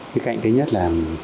khía cạnh thứ nhất là